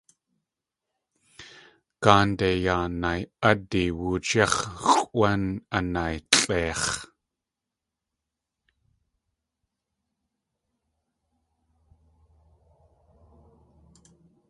Gáande yaa nay.ádi wooch yáx̲ xʼwán anaylʼeix̲!